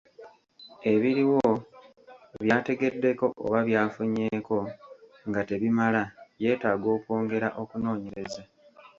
Ebiriwo, by'ategeddeko oba by'afunyeeko nga tebimala, yeetaaga okwongera okunoonyereza.